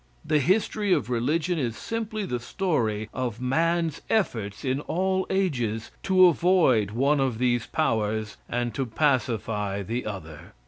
The history of religion is simply the story of man's efforts in all ages to avoid one of these powers and to pacify the other.